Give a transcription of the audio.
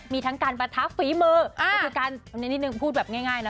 มีทั้งการประทับฝีมือก็คือการเน้นนิดนึงพูดแบบง่ายนะ